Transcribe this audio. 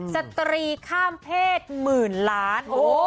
สตรีข้ามเพศหมื่นล้าน